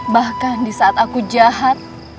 bahkan di saat aku jahat